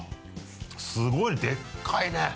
すごいねでかいね！